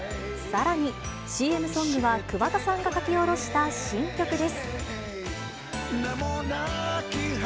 さらに、ＣＭソングは桑田さんが書き下ろした新曲です。